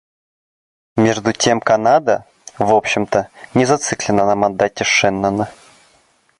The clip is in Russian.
Между тем Канада, в общем-то, не зациклена на мандате Шеннона.